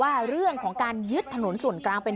สุดทนแล้วกับเพื่อนบ้านรายนี้ที่อยู่ข้างกัน